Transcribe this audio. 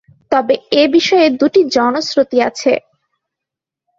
তবে এ বিষয়ে দুটি জনশ্রুতি আছে।